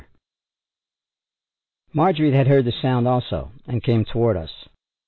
* Marjorie had heard the sound, also, and came toward us.